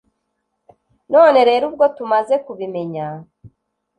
none rero ubwo tumaze kubimenya